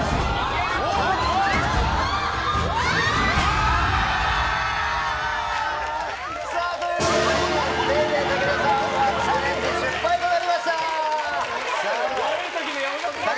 あー！さあ、ということで、ＤａｙＤａｙ．武田さんはチャレンジ失敗となりました。